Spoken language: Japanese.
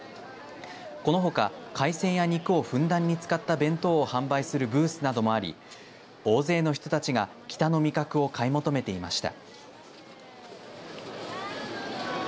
このほか、海戦や肉をふんだんに使った弁当を店頭販売するブースなどもあり大勢の人たちが北の味覚を買い求めていました。